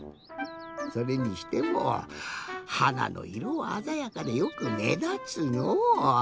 それにしてもはなのいろはあざやかでよくめだつのう。